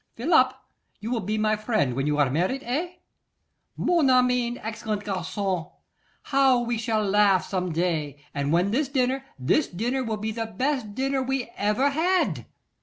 _ Fill up! You will be my friend when you are married, eh? Mon Armine, excellent garçon! How we shall laugh some day; and then this dinner, this dinner will be the best dinner we ever had!